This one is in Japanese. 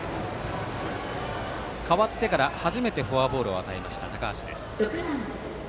代わってから初めてフォアボールを与えました、高橋。